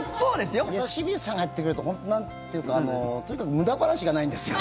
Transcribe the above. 清水さんがやってくれると本当、なんというかとにかく無駄話がないんですよ。